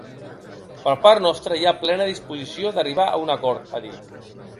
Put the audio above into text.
Per part nostra hi ha plena disposició d’arribar a un acord, ha dit.